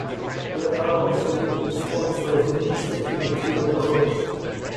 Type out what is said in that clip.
There are also local sponsors in each city the tour covers.